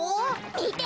みて。